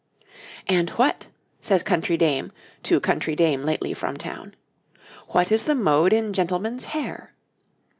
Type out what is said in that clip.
}] 'And what,' says country dame to country dame lately from town 'what is the mode in gentlemen's hair?'